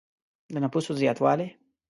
د نفوسو زیاتوالی.